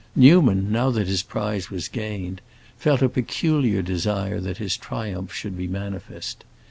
Newman, now that his prize was gained, felt a peculiar desire that his triumph should be manifest.